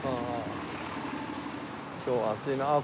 今日は暑いなああ